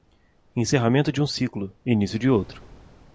Encerramento de um ciclo, início de outro